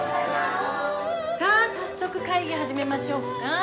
さあ早速会議始めましょうか。